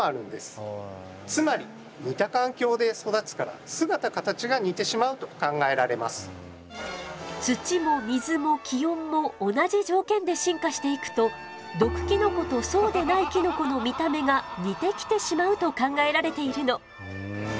つまり土も水も気温も同じ条件で進化していくと毒キノコとそうでないキノコの見た目が似てきてしまうと考えられているの。